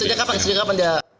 pak sedang kapan